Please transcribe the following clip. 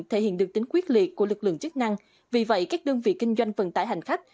thể hiện được tính quyết liệt của lực lượng chức năng vì vậy các đơn vị kinh doanh vận tải hành khách